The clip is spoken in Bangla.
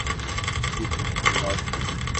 কি ট্রাফিক, বস!